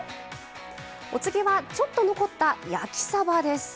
お次は、ちょこっと残った焼きさばです。